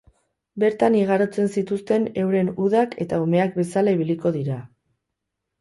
Bertan igarotzen zituzten euren udak, eta umeak bezala ibiliko dira.